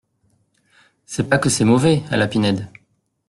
C’est pas que c’est mauvais, à la Pinède